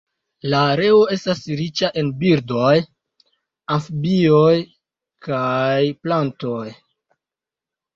La areo estas riĉa en birdoj, amfibioj kaj plantoj.